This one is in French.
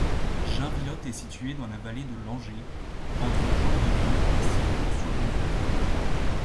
Jainvillotte est située dans la vallée de l'Anger, entre Gendreville et Circourt-sur-Mouzon.